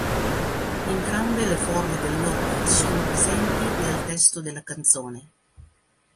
Entrambe le forme del nome sono presenti nel testo della canzone.